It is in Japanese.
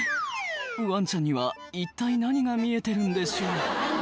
ワンちゃんには一体何が見えてるんでしょう？